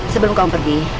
sebelum kamu pergi